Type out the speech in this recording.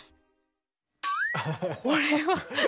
これは。